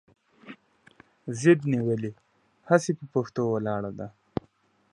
ضد نیولې هسې پهٔ پښتو ولاړه ده